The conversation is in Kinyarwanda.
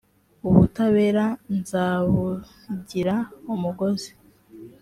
ubutabera nzabugira umugozi